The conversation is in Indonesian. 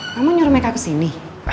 kamu nyuruh mereka kesini